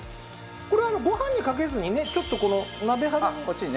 これご飯にかけずにねちょっとこの鍋肌に。